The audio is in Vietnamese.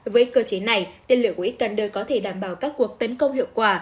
với cơ chế này tên lửa của iskander có thể đảm bảo các cuộc tấn công hiệu quả